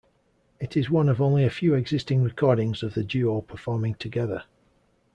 It is one of only a few existing recordings of the duo performing together.